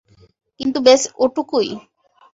কিন্তু ব্যস ওটুকুই।